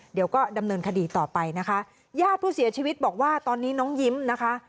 เดี๋ยวก็ดำเนินคดีต่อไปนะคะญาติผู้เสียชีวิตบอกว่าตอนนี้น้องยิ้มนะคะ